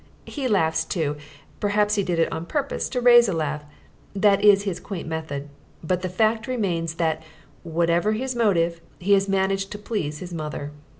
He laughs too perhaps he did it on purpose to raise a laugh: that is his quaint method; but the fact remains that, whatever his motive, he has managed to please his mother.